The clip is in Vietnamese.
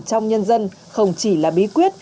trong nhân dân không chỉ là bí quyết